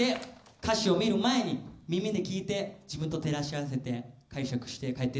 歌詞を見る前に耳で聴いて自分と照らし合わせて解釈して帰ってって下さい。